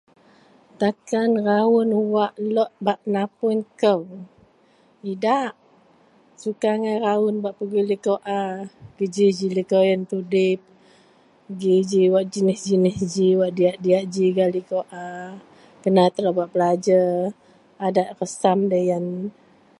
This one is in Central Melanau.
Takan raun wak lok bak napun kou, idak. Suka angai raun bak pegui likou a, beji ji likou yen tudip, beji ji wak jinih-jinih ji, wak diyak-diyak ji gak likou a, kena telou bak belajer, adat resam deloyen